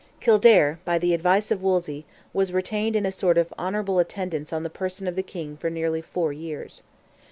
Kildare, by the advice of Wolsey, was retained in a sort of honourable attendance on the person of the King for nearly four years.